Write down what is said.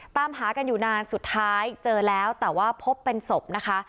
ตามหากันอยู่นานสุดท้ายเจอแล้วแต่ว่าพบเป็นศพนะคะ